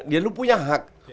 ya lu punya hak